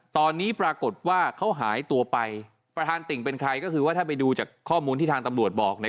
ตอนนี้ปรากฏว่าเขาหายตัวไปประธานติ่งเป็นใครก็คือว่าถ้าไปดูจากข้อมูลที่ทางตำรวจบอกเนี่ย